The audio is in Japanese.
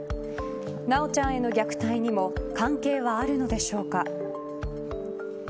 修ちゃんへの虐待にも関係があるのでしょうか。